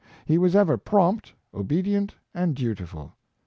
He was ever prompt, obedient, and dutiful.